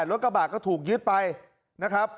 รถกระบะก็ถูกยึดไปนะครับ